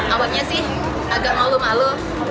awalnya sih agak malu malu